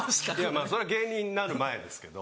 それは芸人になる前ですけど。